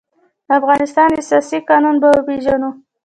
د افغانستان اساسي قانون به وپېژنو.